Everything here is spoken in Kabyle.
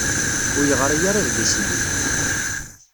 Ur yeɣri ara adlis-nni.